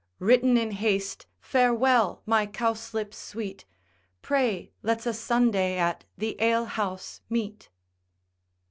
Written in haste, farewell my cowslip sweet, Pray let's a Sunday at the alehouse meet.